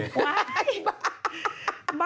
ว้ายบ้า